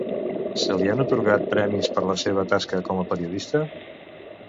Se li han atorgat premis per la seva tasca com a periodista?